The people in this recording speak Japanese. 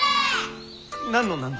何の何の。